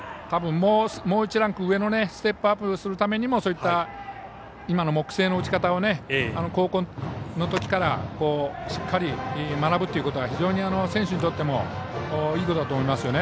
多分、もう１ランク上のステップアップするためにも今の木製の打ち方を高校のときからしっかり学ぶということが非常に選手にとってもいいことだと思います。